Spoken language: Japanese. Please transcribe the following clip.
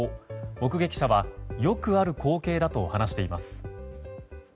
目撃者はよくある光景だと話しています。